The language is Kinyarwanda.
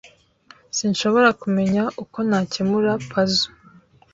Sinshobora kumenya uko nakemura puzzle.